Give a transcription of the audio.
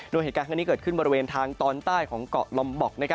โดยเหตุการณ์ครั้งนี้เกิดขึ้นบริเวณทางตอนใต้ของเกาะลอมบอก